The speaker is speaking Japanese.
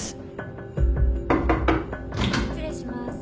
・失礼します。